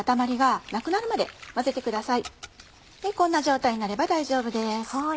こんな状態になれば大丈夫です。